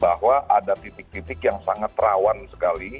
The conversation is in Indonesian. bahwa ada titik titik yang sangat rawan sekali